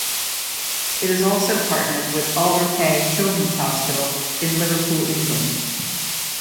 It is also partnered with Alder Hey Children's Hospital in Liverpool, England.